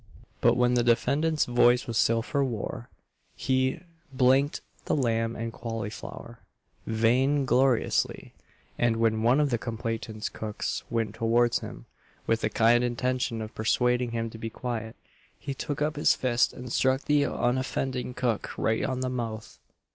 But the defendant's voice was still for war; he d d the lamb and cauliflower, "vain gloriously;" and when one of complainant's cooks went towards him, with the kind intention of pursuading him to be quiet, he took up his fist and struck the unoffending cook right on the mouth.